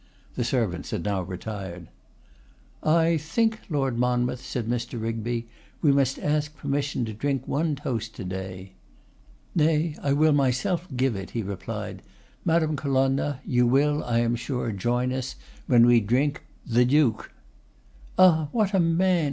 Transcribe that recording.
The servants had now retired. 'I think, Lord Monmouth,' said Mr. Rigby, 'we must ask permission to drink one toast to day.' 'Nay, I will myself give it,' he replied. 'Madame Colonna, you will, I am sure, join us when we drink, THE DUKE!' 'Ah! what a man!